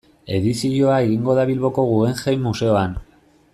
Edizioa egingo da Bilboko Guggenheim museoan.